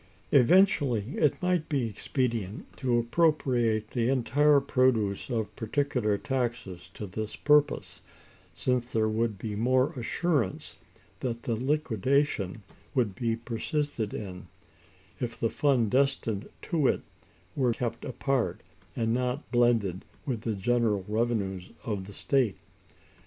Eventually, it might be expedient to appropriate the entire produce of particular taxes to this purpose; since there would be more assurance that the liquidation would be persisted in, if the fund destined to it were kept apart, and not blended with the general revenues of the state.